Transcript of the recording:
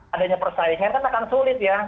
adanya persaingan kan akan sulit ya